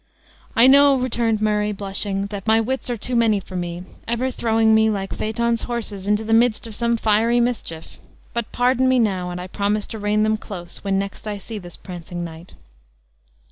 "I know," returned Murray, blushing, "that my wits are too many for me; ever throwing me, like Phaeton's horses, into the midst of some fiery mischief. But pardon me now, and I promise to rein them close, when next I see this prancing knight."